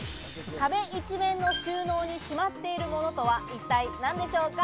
壁一面の収納にしまっているものとは一体何でしょうか？